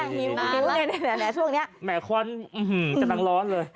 หิวไงหนินแหวะช่วงนี้